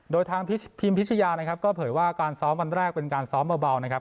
โดยทางพิมพิชยานะครับก็เผยว่าการซ้อมวันแรกเป็นการซ้อมเบานะครับ